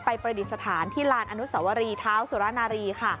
ประดิษฐานที่ลานอนุสวรีเท้าสุรนารีค่ะ